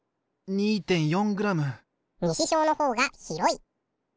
２．４ｇ西小のほうが広い！